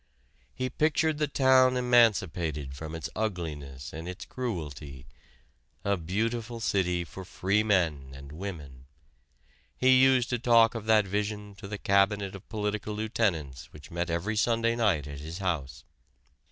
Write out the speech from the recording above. He pictured the town emancipated from its ugliness and its cruelty a beautiful city for free men and women. He used to talk of that vision to the 'cabinet' of political lieutenants which met every Sunday night at his house.